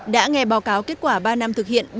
đã nghe báo cáo kết quả ba năm thực hiện